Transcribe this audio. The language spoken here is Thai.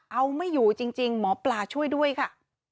เอาไม่อยู่จริงหมอปลาช่วยด้วยค่ะ